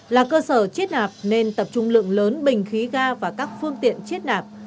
là cơ sở chiết nạp nên tập trung lượng lớn bình khí ga và các phương tiện chiết nạp